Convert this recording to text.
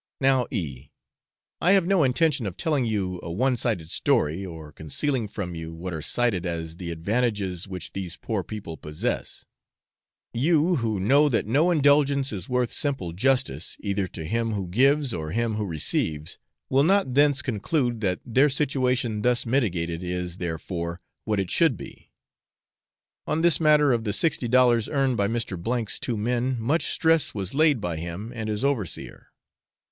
Now, E , I have no intention of telling you a one sided story, or concealing from you what are cited as the advantages which these poor people possess; you, who know that no indulgence is worth simple justice, either to him who gives or him who receives, will not thence conclude that their situation thus mitigated is, therefore, what it should be. On this matter of the sixty dollars earned by Mr. 's two men much stress was laid by him and his overseer.